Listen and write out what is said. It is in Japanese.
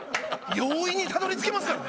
容易にたどり着けますからね